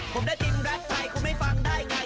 ผมได้จิ้มแร็ปไทยคุณไม่ฟังได้ไง